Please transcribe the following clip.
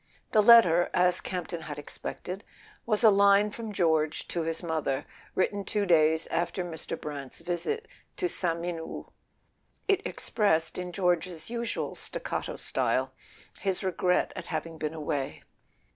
The letter, as Campton had expected, was a line from George to his mother, written two days after Mr. Brant's visit to Sainte Mene hould. It expressed, in George's usual staccato style, his regret at having been away.